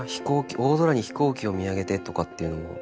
「大空に飛行機を見上げて」とかっていうのも。